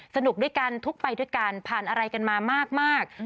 สนุกด้วยกันทุกข์ไปด้วยกันผ่านอะไรกันมามาก